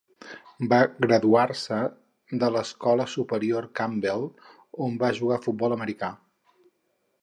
Va graduar-se de l'Escola Superior Campbell on va jugar futbol americà.